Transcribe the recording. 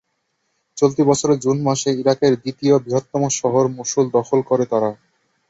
চলতি বছরের জুন মাসে ইরাকের দ্বিতীয় বৃহত্তম শহর মসুল দখল করে তারা।